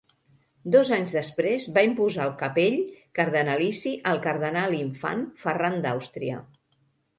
Dos anys després va imposar el capell cardenalici al cardenal-infant Ferran d'Àustria.